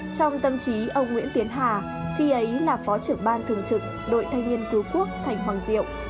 trong tâm trí ông nguyễn tiến hà khi ấy là phó trưởng ban thường trực đội thanh niên cứu quốc thành hoàng diệu